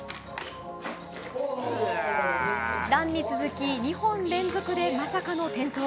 ランに続き２本連続でまさかの転倒。